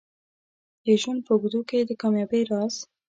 د ژوند په اوږدو کې د کامیابۍ راز